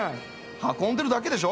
運んでるだけでしょ？